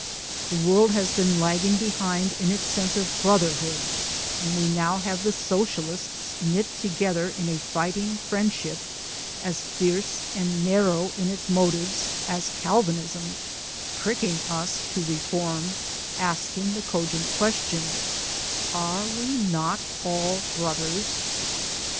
The world has been lagging behind in its sense of brotherhood, and we now have the Socialists knit together in a fighting friendship as fierce and narrow in its motives as Calvinism, pricking us to reform, asking the cogent question: "Are we not all brothers?"